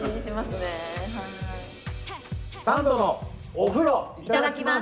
「サンドのお風呂いただきます」。